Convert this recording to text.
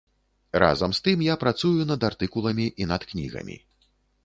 Разам з тым я працую над артыкуламі і над кнігамі.